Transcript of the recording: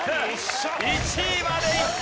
１位までいった！